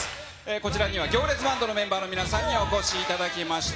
こちらには行列バンドのメンバーの皆さんにお越しいただきました。